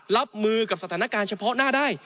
รับมือกับสถานการณ์เฉพาะหน้าได้